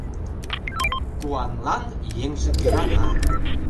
Куанлан еҥже кöрана.